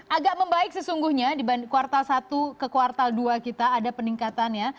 agak membaik sesungguhnya di kuartal satu ke kuartal dua kita ada peningkatan ya